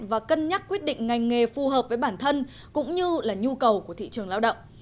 và cân nhắc quyết định ngành nghề phù hợp với bản thân cũng như là nhu cầu của thị trường lao động